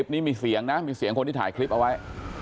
นี่มีเสียงนะมีเสียงคนที่ถ่ายคลิปเอาไว้